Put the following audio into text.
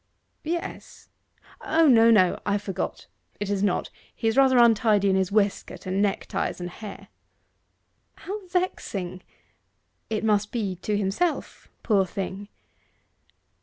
'Yes O no, no I forgot: it is not. He is rather untidy in his waistcoat, and neck ties, and hair.' 'How vexing!... it must be to himself, poor thing.